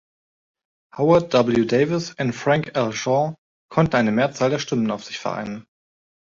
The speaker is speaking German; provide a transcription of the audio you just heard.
Howard W. Davis und Frank L. Shaw konnten eine Mehrzahl der Stimmen auf sich vereinen.